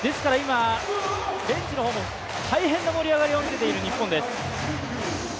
ベンチの方も大変な盛り上がりを見せている日本です。